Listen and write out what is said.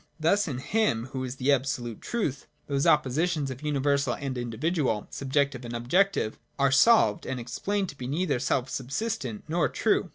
Thus in Him, who is the absolute truth, those oppositions of universal and individual, subjective and objective, are solved and explained to be neither selfsubsistent nor true.